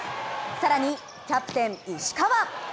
さらにキャプテン・石川。